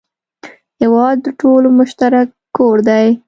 هېواد د ټولو مشترک کور دی.